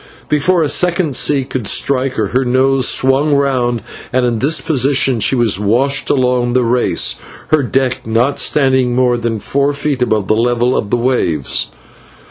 Before a second sea could strike her, her nose swung round, and in this position she was washed along the race, her deck not standing more than four feet above the level of the waves.